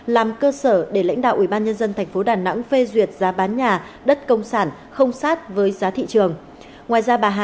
làm cơ sở để lãnh đạo ủy ban nhân dân tp đà nẵng phê duyệt giá bán nhà đất công sản không sát với giá thị trường